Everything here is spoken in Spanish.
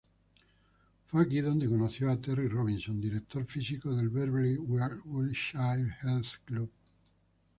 Fue aquí donde conoció a Terry Robinson, director físico del Beverly Wilshire Health Club.